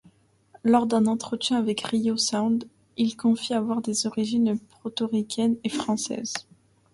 Lors d'un entretien avec Riot Sound, il confie avoir des origines portoricaines et françaises.